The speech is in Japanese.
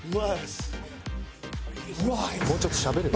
もうちょっとしゃべれよ。